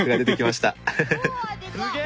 すげえ！